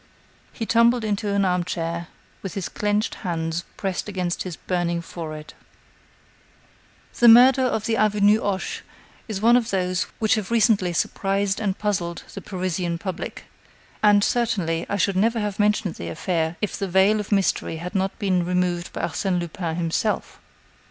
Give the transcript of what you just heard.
He tumbled into an armchair, with his clenched hands pressed against his burning forehead. The murder of the avenue Hoche is one of those which have recently surprised and puzzled the Parisian public, and, certainly, I should never have mentioned the affair if the veil of mystery had not been removed by Arsène Lupin himself.